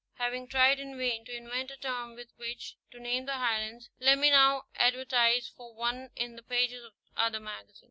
Having tried in vain to invent a term with which to name the Highlands, let me now advertise for one in the pages of our Magazine.